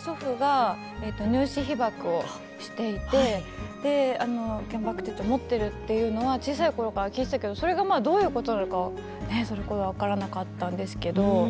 祖父が入市被爆をしていて原爆手帳を持ってるっていうのは小さいころから聞いていたけどそれがどういうことなのかはそのころは分からなかったんですけど。